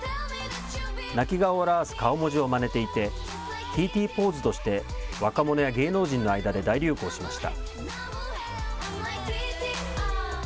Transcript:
泣き顔を表す顔文字をまねていて、ＴＴポーズとして、若者や芸能人の間で大流行しました。